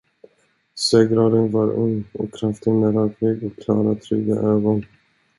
Segraren var ung och kraftig, med rak rygg och klara, trygga ögon.